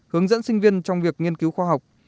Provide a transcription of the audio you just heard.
hướng dẫn sinh viên trong việc nghiên cứu khoa học